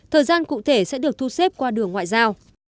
thời gian cụ thể sẽ được thu xếp qua đường ngoại giao